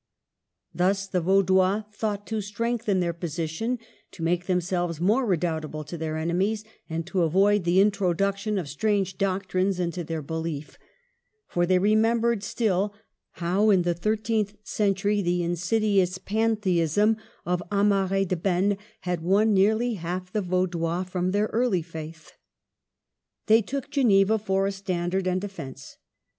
Thus, the Vaudois thought to strengthen their position, to make themselves more redoubtable to their enemies, and to avoid the introduction of strange doctrines into their belief; for they remembered still how in the thirteenth century the insidious pantheism of Amaury de Bene had won nearly half the Vaudois from their early faith. They took Geneva for a standard and defence.